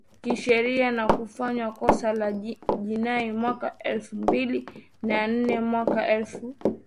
kisheria na kufanywa kosa la jinai mwaka elfu mbili na nne Mwaka elfu